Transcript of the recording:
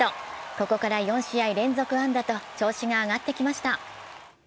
ここから４試合連続安打と調子が上がってきました。